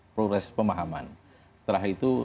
progres pemahaman setelah itu